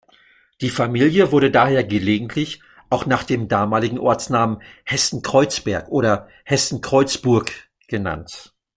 Die Familie wurde daher gelegentlich auch nach dem damaligen Ortsnamen "Hessen-Kreuzberg" oder "Hessen-Kreuzburg" genannt.